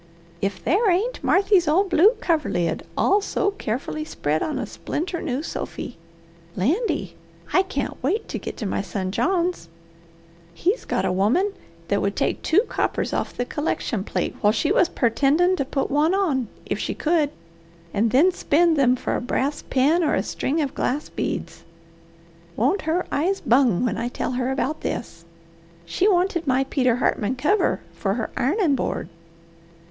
If there ain't Marthy's old blue coverlid also carefully spread on a splinter new sofy. Landy, I can't wait to get to my son John's! He's got a woman that would take two coppers off the collection plate while she was purtendin' to put on one, if she could, and then spend them for a brass pin or a string of glass beads. Won't her eyes bung when I tell her about this? She wanted my Peter Hartman kiver for her ironin' board.